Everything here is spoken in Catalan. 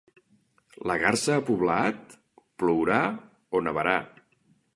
La garsa a poblat? Plourà o nevarà.